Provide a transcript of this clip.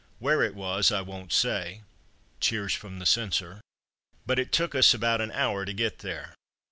Where it was I won't say (cheers from Censor), but it took us about an hour to get there.